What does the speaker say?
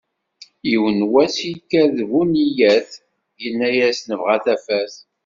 Yiwen n wass yekker-d bu nniyat, yenna-as nebγa tafat.